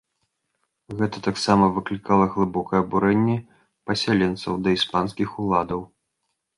Гэта таксама выклікала глыбокае абурэнне пасяленцаў да іспанскіх уладаў.